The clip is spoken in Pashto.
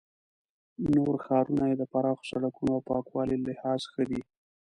نور ښارونه یې د پراخو سړکونو او پاکوالي له لحاظه ښه دي.